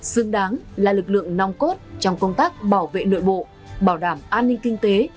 xứng đáng là lực lượng nong cốt trong công tác bảo vệ nội bộ bảo đảm an ninh kinh tế